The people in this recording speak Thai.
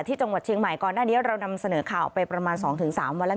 ที่จังหวัดเชียงใหม่ก่อนหน้านี้เรานำเสนอข่าวไปประมาณ๒๓วันแล้ว